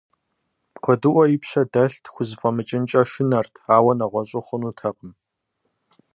Куэдыӏуэ и пщэ дэлът, хузэфӏэмыкӏынкӏэ шынэрт, ауэ нэгъуэщӀу хъунутэкъым.